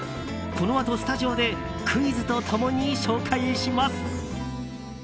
このあとスタジオでクイズと共に紹介します。